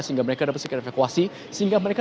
sehingga mereka dapat segera evakuasi sehingga mereka